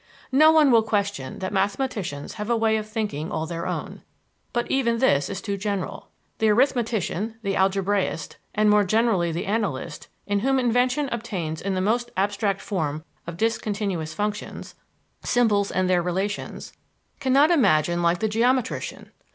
No one will question that mathematicians have a way of thinking all their own; but even this is too general. The arithmetician, the algebraist, and more generally the analyst, in whom invention obtains in the most abstract form of discontinuous functions symbols and their relations cannot imagine like the geometrician.